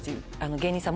芸人さん